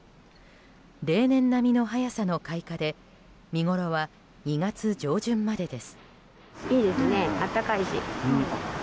例年並みの早さの開花で見ごろは２月上旬までです。